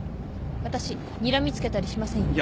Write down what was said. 私にらみ付けたりしませんよ。